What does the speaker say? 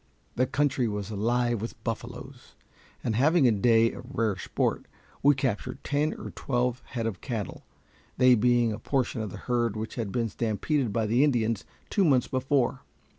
The country was alive with buffaloes, and having a day of rare sport, we captured ten or twelve head of cattle, they being a portion of the herd which had been stampeded by the Indians two months before.